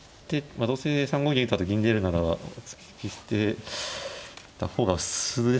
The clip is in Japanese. どうせ３五銀と銀出るなら突き捨てた方が普通ですかね。